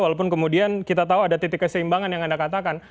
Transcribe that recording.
walaupun kemudian kita tahu ada titik keseimbangan yang anda katakan